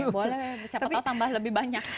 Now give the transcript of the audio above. boleh cepat tahu tambah lebih banyak